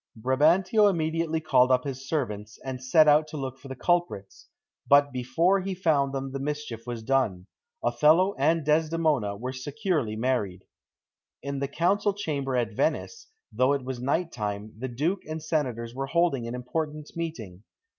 Brabantio immediately called up his servants, and set out to look for the culprits; but before he found them the mischief was done Othello and Desdemona were securely married. In the Council Chamber at Venice, though it was night time, the Duke and senators were holding an important meeting.